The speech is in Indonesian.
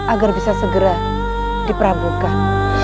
agar bisa segera diperabungkan